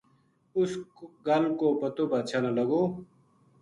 اس گل کو پتو بادشاہ نا لگو